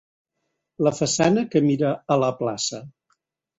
La façana que mira a la plaça.